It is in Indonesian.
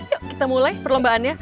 yuk kita mulai perlombaannya